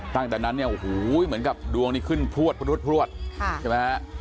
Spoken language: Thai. ตั้งแต่นั้นเนี่ยโอ้โหเหมือนกับดวงนี้ขึ้นพลวดใช่ไหมฮะ